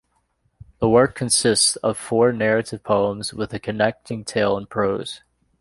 The work consists of four narrative poems with a connecting tale in prose.